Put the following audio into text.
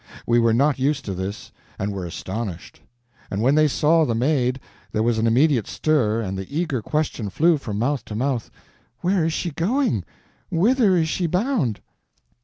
We were not used to this, and were astonished. But when they saw the Maid, there was an immediate stir, and the eager question flew from mouth to mouth. "Where is she going? Whither is she bound?"